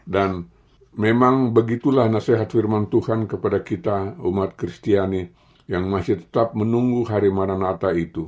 dan memang begitulah nasihat firman tuhan kepada kita umat kristiani yang masih tetap menunggu hari maranatha itu